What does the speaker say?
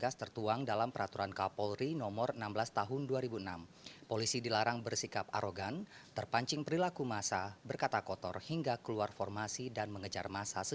seluruh anggota yang terlibat pengaman kemarin dilakukan penyelesaian